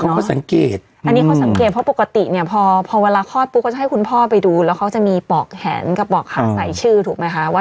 เขาสังเกตอันนี้เขาสังเกตเพราะปกติเนี่ยพอเวลาคลอดปุ๊บก็จะให้คุณพ่อไปดูแล้วเขาจะมีปอกแหนกระปอกหักใส่ชื่อถูกไหมคะว่า